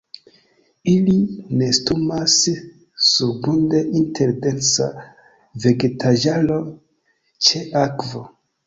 Ili nestumas surgrunde inter densa vegetaĵaro ĉe akvo.